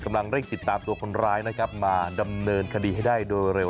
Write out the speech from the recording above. กำลังเร่งติดตามตัวคนร้ายนะครับมาดำเนินคดีให้ได้โดยเร็ว